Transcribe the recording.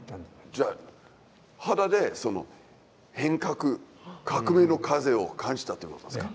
じゃあ肌でその変革革命の風を感じたってことなんですか。